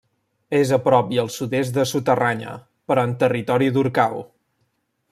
És a prop i al sud-est de Suterranya, però en territori d'Orcau.